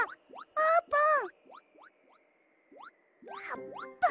あーぷん！